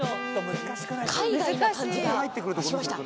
海外な感じがしました。